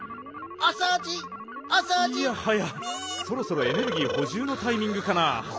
そろそろエネルギーほじゅうのタイミングかな？